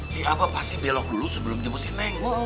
si aba pasti belok dulu sebelum nyambung si nenek